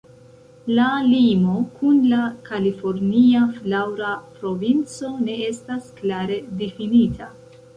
La limo kun la Kalifornia Flaŭra Provinco ne estas klare difinita.